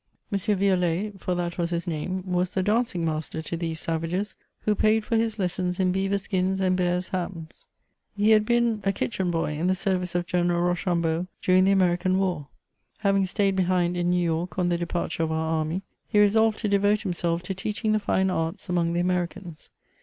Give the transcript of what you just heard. M. Violet (for that was his name) was the dancing master to these savages, who paid for his lessons in beaver skins and bears' hams. He had been a kitcben boy in the service of General Rochambeau, during the American war. Having stayed behind in New York on the departure of our army, he resolved to devote himself to teaching the fine arts among the Americans.